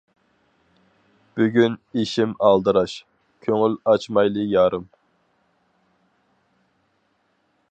بۈگۈن ئىشىم ئالدىراش، كۆڭۈل ئاچمايلى يارىم.